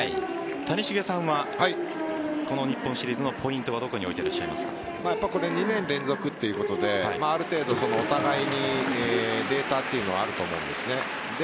谷繁さんはこの日本シリーズのポイントはどこに置いて２年連続ということである程度、お互いにデータはあると思うんです。